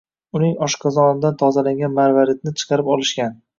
Uning oshqozonidan tozalangan marvaridni chiqarib olishgan.